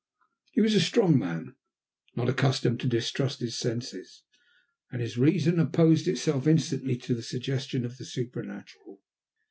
He was a strong man, not accustomed to distrust his senses, and his reason opposed itself instantly to the suggestion of the supernatural.